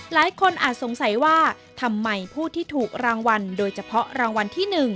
อาจสงสัยว่าทำไมผู้ที่ถูกรางวัลโดยเฉพาะรางวัลที่๑